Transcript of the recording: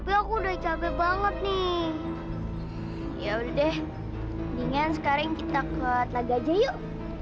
yaudah mendingan sekarang kita ke telaga aja yuk